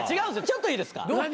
ちょっといいですか？